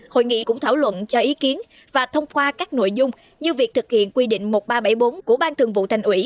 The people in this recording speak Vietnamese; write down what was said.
hội nghị cũng thảo luận cho ý kiến và thông qua các nội dung như việc thực hiện quy định một nghìn ba trăm bảy mươi bốn của ban thường vụ thành ủy